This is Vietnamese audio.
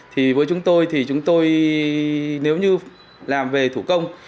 thì với chúng tôi thì chúng tôi nếu như làm về thủ công